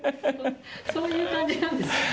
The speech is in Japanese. そういう感じなんですか。